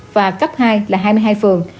và cấp hai là hai mươi hai phường